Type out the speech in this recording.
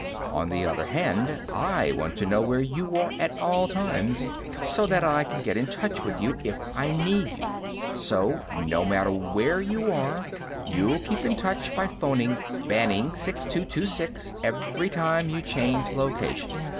"On the other hand, I want to know where you are at all times, so that I can get in touch with you if I need you. So, no matter where you are, you'll keep in touch by phoning BANning 6226 every time you change location.